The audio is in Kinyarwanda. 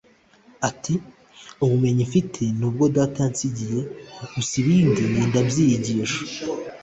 Ati “ Ubumenyi mfite ni ubwo data yansigiye gusa ibindi ngenda mbyiyigisha